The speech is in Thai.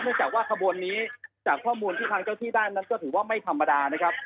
จากว่าขบวนนี้จากข้อมูลที่ทางเจ้าที่ได้นั้นก็ถือว่าไม่ธรรมดานะครับ